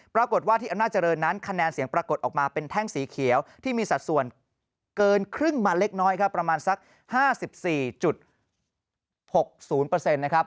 ปรากฏว่าที่อำนาจริงนั้นคะแนนเสียงปรากฏออกมาเป็นแท่งสีเขียวที่มีสัดส่วนเกินครึ่งมาเล็กน้อยครับประมาณสัก๕๔๖๐นะครับ